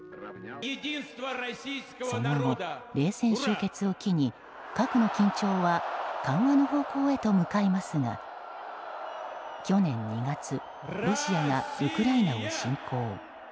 その後、冷戦終結を機に核の緊張は緩和の方向へと向かいますが去年２月ロシアがウクライナを侵攻。